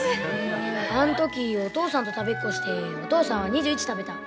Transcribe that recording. あん時お父さんと食べっこしてお父さんは２１食べた。